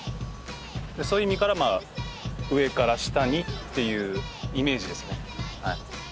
そういう意味から上から下にっていうイメージですよね。